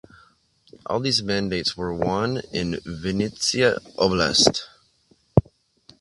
All these mandates where won in Vinnytsia Oblast.